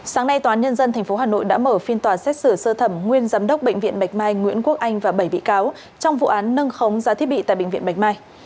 sáng nay tòa án nhân dân tp hà nội đã mở phiên tòa xét xử sơ thẩm nguyên giám đốc bệnh viện bạch mai nguyễn quốc anh và bảy bị cáo trong vụ án nâng khống giá thiết bị tại bệnh viện bạch mai